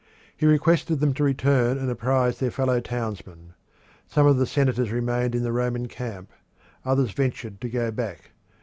He requested them to return and apprise their fellow townsmen. Some of the senators remained in the Roman camp; others ventured to go back.